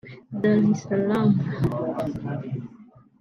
Dar es Salaam